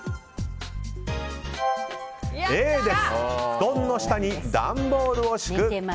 布団の下に段ボールを敷く。